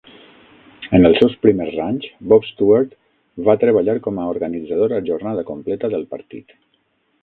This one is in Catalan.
En els seus primers anys, Bob Stewart va treballar com a organitzador a jornada completa del partit.